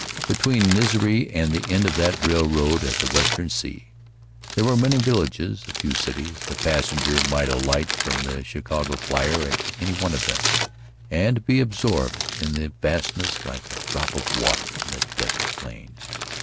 Between Misery and the end of that railroad at the western sea there were many villages, a few cities. A passenger might alight from the Chicago flier at any of them, and be absorbed in the vastness like a drop of water in the desert plain.